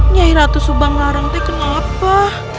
nyai ratu subang larangte kenapa